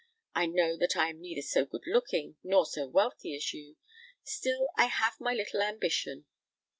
I know that I am neither so good looking nor so wealthy as you;—still I have my little ambition.